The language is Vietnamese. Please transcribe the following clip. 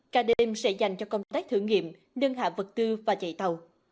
cả đêm sẽ dành cho công tác thử nghiệm nâng hạ vật tư và chạy tàu